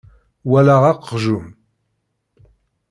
Walaɣ aqjun.